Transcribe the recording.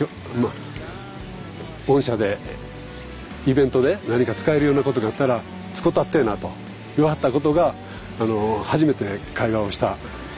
御社でイベントで何か使えるようなことがあったら使たってぇなと言わはったことがあの初めて会話をしたことですね。